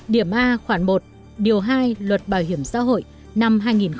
điểm a khoản một điều hai luật bảo hiểm xã hội năm hai nghìn một mươi bốn